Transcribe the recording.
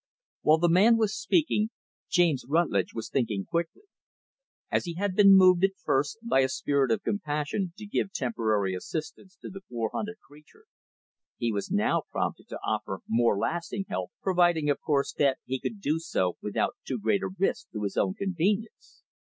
While the man was speaking, James Rutlidge was thinking quickly. As he had been moved, at first, by a spirit of compassion to give temporary assistance to the poor hunted creature, he was now prompted to offer more lasting help providing, of course, that he could do so without too great a risk to his own convenience.